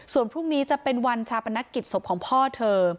ส่วนพรุ่งนี้จะเป็นวันชาปนกิจศพของพ่อเธอ